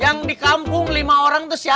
yang di kampung lima orang itu siapa